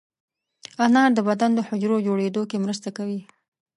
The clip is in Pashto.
انار د بدن د حجرو جوړېدو کې مرسته کوي.